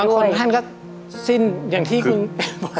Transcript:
ท่านก็สิ้นอย่างที่คุณบอก